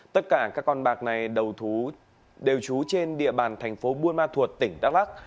tất cả các con bạc này đều trú trên địa bàn tp buôn ma thuột tỉnh đắk lắc